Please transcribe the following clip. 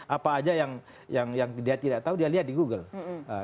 apa aja yang dia tidak tahu dia lihat di google